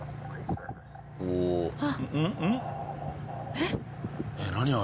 えっ？